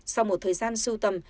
sau một thời gian sưu tầm